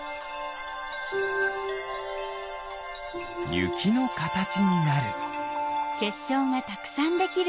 ゆきのかたちになる。